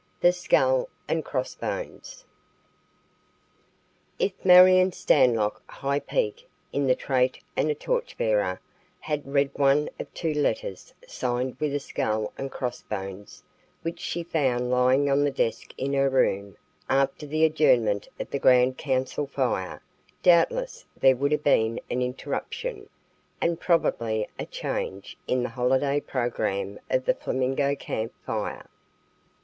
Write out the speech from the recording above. THE SKULL AND CROSS BONES. If Marion Stanlock, "High Peak" in the trait and a torch bearer, had read one of two letters, signed with a "skull and cross bones," which she found lying on the desk in her room after the adjournment of the Grand Council Fire, doubtless there would have been an interruption, and probably a change, in the holiday program of the Flamingo Camp Fire.